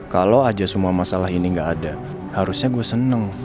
kalo aja semua masalah ini ga ada harusnya gua seneng